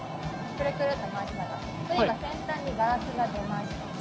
これ今先端にガラスが出ました。